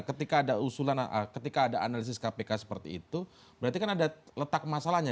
ketika ada usulan ketika ada analisis kpk seperti itu berarti kan ada letak masalahnya